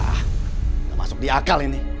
ah gak masuk di akal ini